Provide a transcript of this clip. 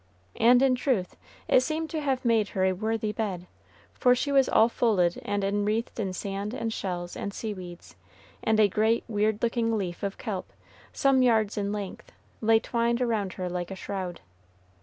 And, in truth, it seemed to have made to her a worthy bed, for she was all folded and inwreathed in sand and shells and seaweeds, and a great, weird looking leaf of kelp, some yards in length, lay twined around her like a shroud.